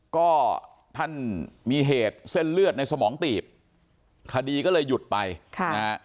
ก็ท่านมีเหตุเส้นเลือดในสมองตีบคดีก็เลยหยุดไปค่ะนะฮะ